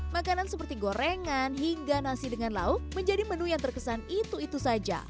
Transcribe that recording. makanan seperti gorengan hingga nasi dengan lauk menjadi menu yang terkesan itu itu saja